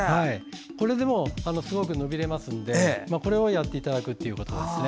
これですごく伸びますのでこれをやっていただくということですね。